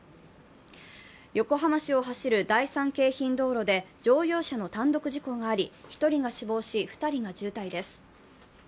横浜市を走る第三京浜道路で乗用車の単独事故があり１人が死亡し２人が重体です。